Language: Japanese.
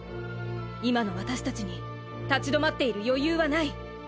今の私達に立ち止まっている余裕はない！！